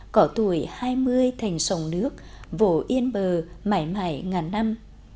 có tuổi hai mươi thành sông nước vô yên bờ mãi mãi ngàn năm